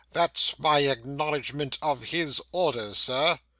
That's my acknowledgment of his orders, sir!